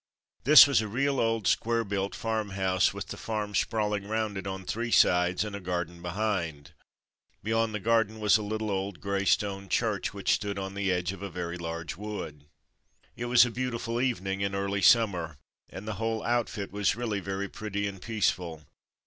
This was a real old square built farm house with the farm sprawling round it on three sides, and a garden behind. Beyond the garden was a little old grey stone church which stood on the edge of a very large wood. It was a beautiful evening in early sum mer, and the whole outfit was really very pretty and peaceful.